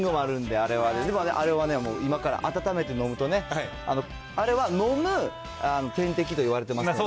あれは今から温めて飲むとね、あれは飲む点滴といわれてますから。